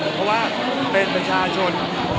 เพราะว่าเป็นประชาชน